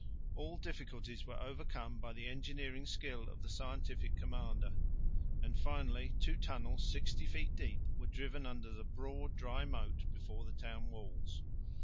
All difficulties were overcome by the engineering skill of the scientific commander; and finally two tunnels sixty feet deep were driven under the broad dry moat before the town walls.